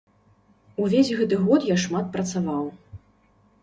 Увесь гэты год я шмат працаваў.